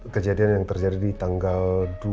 kejadian yang terjadi di tanggal dua puluh lima